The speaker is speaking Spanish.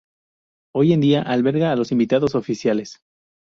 Hoy en día alberga a los invitados oficiales.